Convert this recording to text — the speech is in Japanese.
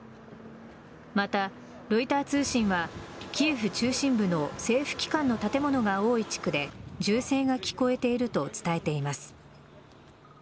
また、ロイター通信はキエフ中心部の政府機関の建物が多い地区で銃声が聞こえていると伝えています。